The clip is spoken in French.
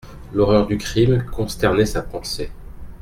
L'horreur du crime consternait sa pensée.